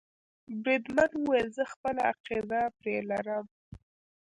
بریدمن وویل زه خپله عقیده پرې لرم.